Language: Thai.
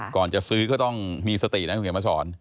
ก่อนจะซื้อก็ต้องมีสตินะคุณเขียนมาสอน